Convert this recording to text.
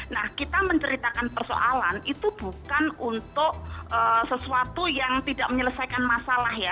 nah kita menceritakan persoalan itu bukan untuk sesuatu yang tidak menyelesaikan masalah ya